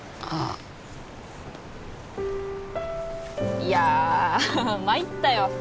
あっいやまいったよ